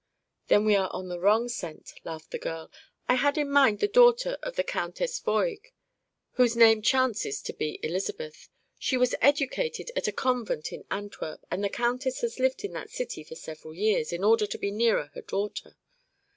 "Then we are on the wrong scent," laughed the girl. "I had in mind the daughter of the Countess Voig, whose name chances to be Elizabeth. She was educated at a convent in Antwerp, and the countess has lived in that city for several years, in order to be nearer her daughter.